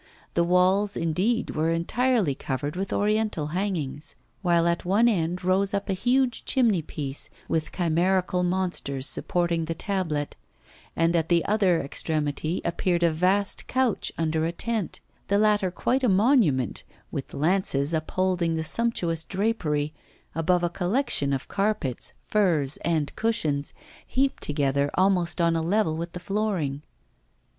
The walls, indeed, were entirely covered with Oriental hangings, while at one end rose up a huge chimney piece with chimerical monsters supporting the tablet, and at the other extremity appeared a vast couch under a tent the latter quite a monument, with lances upholding the sumptuous drapery, above a collection of carpets, furs and cushions heaped together almost on a level with the flooring.